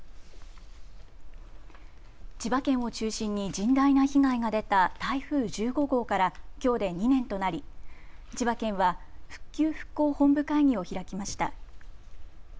千葉県を中心に甚大な被害が出た台風１５号からきょうで２年となり千葉県は復旧・復興本部会議を開きました。